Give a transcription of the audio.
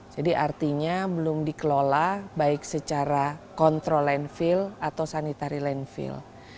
jadi artinya belum dikelola baik secara kontrol landfill atau sanitari landfill